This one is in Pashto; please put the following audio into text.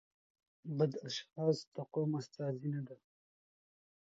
بد اشخاص د قوم استازي نه دي.